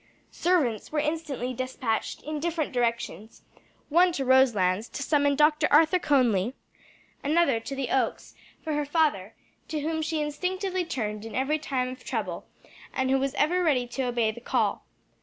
Servants were instantly despatched in different directions: one to Roselands to summon Dr. Arthur Conly, another to the Oaks for her father, to whom she instinctively turned in every time of trouble, and who was ever ready to obey the call.